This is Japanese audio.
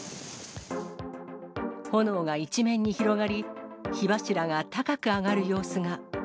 炎が一面に広がり、火柱が高く上がる様子が。